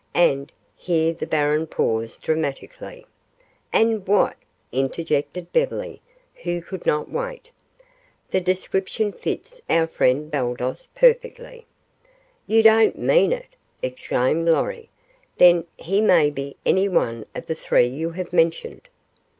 And " here the baron paused dramatically. "And what?" interjected Beverly, who could not wait. "The description fits our friend Baldos perfectly!" "You don't mean it?" exclaimed Lorry. "Then, he may be any one of the three you have mentioned?"